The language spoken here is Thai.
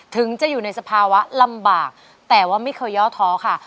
ถึงจะอยู่ในสภาวะลำบากแต่ว่าไม่เคยย่อท้อค่ะ